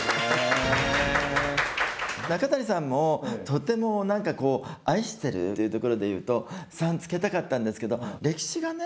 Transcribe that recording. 中谷さんもとても愛してるっていうところでいうと３つけたかったんですけど歴史がね